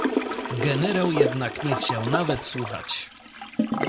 "Generał jednak nie chciał nawet słuchać!"